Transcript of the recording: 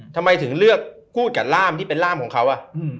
ทำไมถึงเลือกพูดกับร่ามที่เป็นร่ามของเขา